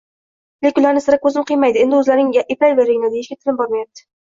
Lekin ularni sira ko‘zim qiymaydi, endi o‘zlaringni eplayveringlar, deyishga tilim bormayapti